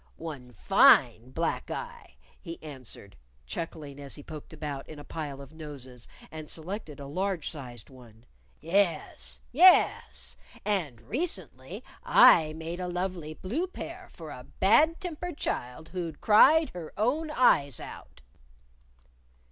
"One fine black eye," he answered, chuckling as he poked about in a pile of noses and selected a large sized one. "Yes! Yes! And recently I made a lovely blue pair for a bad tempered child who'd cried her own eyes out."